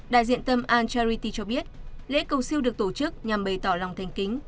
đại diện tâm an charity cho biết lễ cầu siêu được tổ chức nhằm bày tỏ lòng thành kính